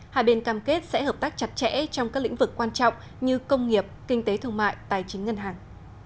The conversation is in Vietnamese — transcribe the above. hai bên cam kết sẽ hợp tác chặt chẽ trong các lĩnh vực quan trọng như công nghiệp kinh tế thương mại tài chính ngân hàng